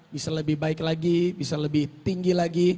bisa lebih baik lagi bisa lebih tinggi lagi